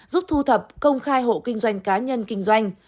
giúp thu thập công khai hộ kinh doanh cá nhân kinh doanh